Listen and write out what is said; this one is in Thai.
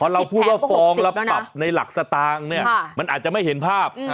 เราพูดว่าฟองเราปรับในหลักสตางค์เนี่ยมันอาจจะไม่เห็นภาพ